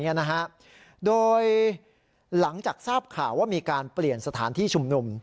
อย่างเงี้ยนะฮะโดยหลังจากทราบข่าวว่ามีการเปลี่ยนสถานที่ชุ่มหนุ่ม